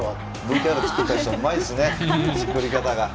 ＶＴＲを作った人、うまいですね作り方が。